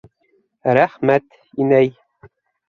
Рәхмәт, инәй!